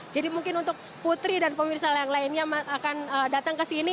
jadi mungkin untuk putri dan pemirsa yang lainnya akan datang ke sini